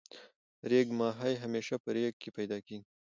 ریګ ماهی همیشه په ریګ کی پیدا کیږی.